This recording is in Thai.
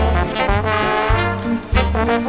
สวัสดีครับ